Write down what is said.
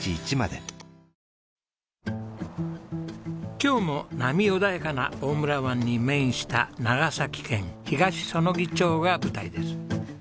今日も波穏やかな大村湾に面した長崎県東彼杵町が舞台です。